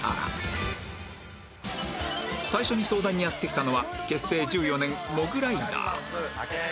最初に相談にやって来たのは結成１４年モグライダー